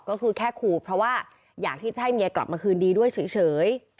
ก็คือแค่ขู่เพราะว่าอยากที่จะให้เมียกลับมาคืนดีด้วยเฉย